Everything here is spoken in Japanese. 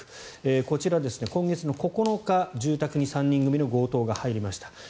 こちら、今月の９日住宅に３人組の強盗が入りました。